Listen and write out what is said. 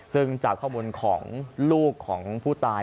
ซึ่งจากข้อมูลของลูกของผู้ตาย